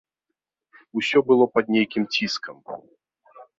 Усё было пад нейкім ціскам.